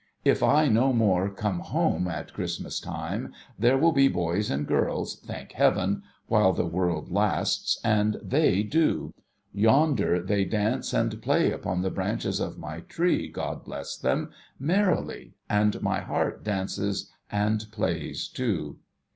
If I no more come home at Christmas time, there will be boys and girls (thank Heaven !) while the '\\'orld lasts ; and they do ! Yonder they dance and play upon the branches of my Tree, God bless them, merrily, and my heart dances and plays too